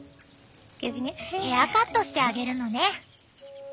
ヘアカットしてあげるのね。